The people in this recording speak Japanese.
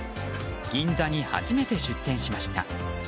銀座に初めて出店しました。